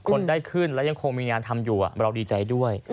คนได้ขึ้นแล้วยังคงมีงานทำอยู่เราดีใจด้วย